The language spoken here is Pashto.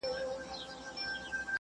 هغه د یو لوی افغانستان خوب رښتیا کړ.